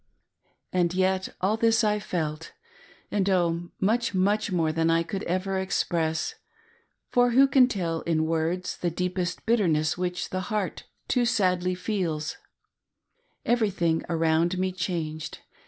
And yet, a]l this Lfelt, and, oh, much, fttuch more than I could ever express ; for who can tell in words the deepest bitterness which the heart too sadly feels } Everything around me changed.